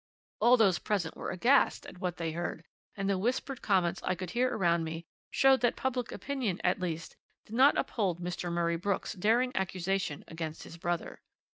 "All those present were aghast at what they heard, and the whispered comments I could hear around me showed me that public opinion, at least, did not uphold Mr. Murray Brooks' daring accusation against his brother.